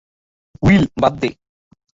Will, বাদ দে।